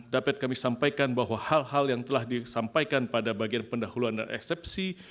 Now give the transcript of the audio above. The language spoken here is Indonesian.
dapat kami sampaikan bahwa hal hal yang telah disampaikan pada bagian pendahuluan dan eksepsi